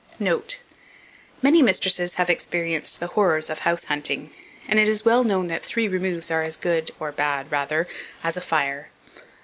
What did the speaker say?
Note. Many mistresses have experienced the horrors of house hunting, and it is well known that "three removes are as good (or bad, rather) as a fire."